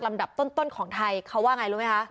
ดับต้นของไทยเขาว่าไงรู้ไหมคะ